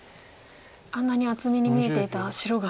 あんなに厚みに見えていた白が。